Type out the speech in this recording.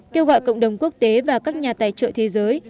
kêu gọi cộng đồng quốc tế và các nhà tài trợ thế giới